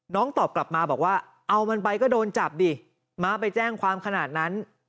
ตอบกลับมาบอกว่าเอามันไปก็โดนจับดิม้าไปแจ้งความขนาดนั้น